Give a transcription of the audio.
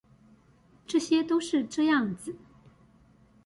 這些都是這樣子